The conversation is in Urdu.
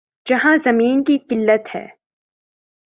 جہاں زمین کی قلت ہے۔